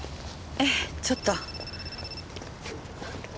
ええちょっと。